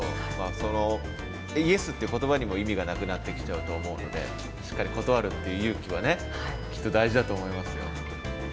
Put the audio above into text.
そのイエスっていう言葉にも意味がなくなってきちゃうと思うのでしっかり断るって勇気はねきっと大事だと思いますよ。